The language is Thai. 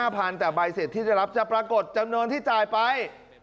พันแต่ใบเสร็จที่จะรับจะปรากฏจำนวนที่จ่ายไป